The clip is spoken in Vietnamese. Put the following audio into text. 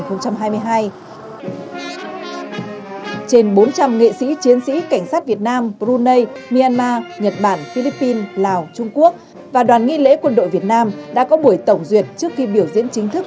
trên bốn trăm linh nghệ sĩ chiến sĩ cảnh sát việt nam brunei myanmar nhật bản philippines lào trung quốc và đoàn nghi lễ quân đội việt nam đã có buổi tổng duyệt trước khi biểu diễn chính thức